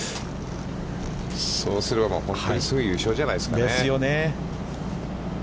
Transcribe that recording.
そうすれば、本当に、すぐ優勝じゃないですかね。ですよね。